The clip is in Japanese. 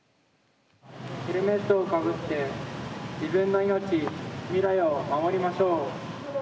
ヘルメットをかぶって自分の命、未来を守りましょう。